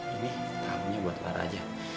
ini talunya buat lara aja